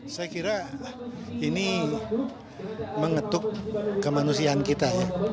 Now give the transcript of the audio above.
saya kira ini mengetuk kemanusiaan kita ya